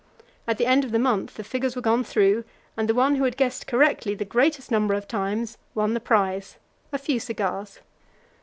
At the end of the month the figures were gone through, and the one who had guessed correctly the greatest number of times won the prize a few cigars.